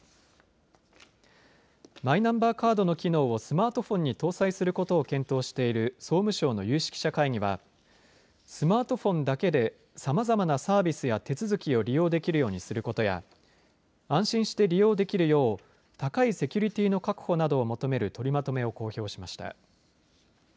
マイナンバーカードの機能をスマートフォンに搭載することを検討している総務省の有識者会議はスマートフォンだけでさまざまなサービスや手続きを利用できるようにすることや安心して利用できるよう高いセキュリティーの確保などを求める取りまとめを公表しました。